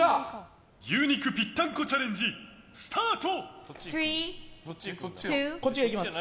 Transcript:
牛肉ぴったんこチャレンジスタート！